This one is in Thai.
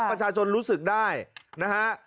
ประชาชนรู้สึกได้นะฮะ